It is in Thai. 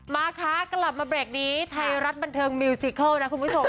มาคะกลับมาเบรกนี้ไทยรัฐบันเทิงมิวซิเคิลนะคุณผู้ชม